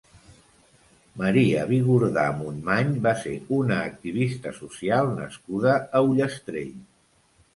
Maria Bigordà Montmany va ser una activista social nascuda a Ullastrell.